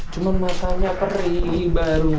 cuman rasanya pari baru